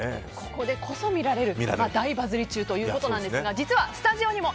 ここでこそ見られる大バズり中ということですが。